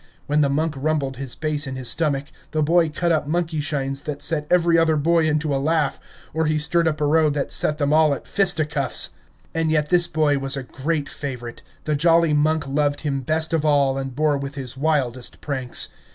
When the monk rumbled his bass in his stomach, the boy cut up monkey shines that set every other boy into a laugh, or he stirred up a row that set them all at fisticuffs. And yet this boy was a great favorite. The jolly monk loved him best of all and bore with his wildest pranks.